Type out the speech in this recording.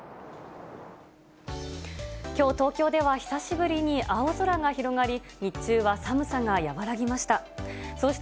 きょう東京では、久しぶりに青空が広がり、日中は寒さが和らぎました。